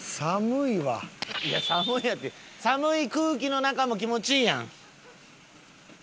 いや「寒いわ」って寒い空気の中も気持ちいいやん。